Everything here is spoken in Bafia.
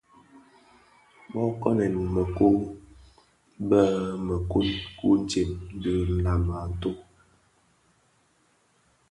Bō kènkèn mëkun bi mëkun, wutsem dhi nlami a ntoo.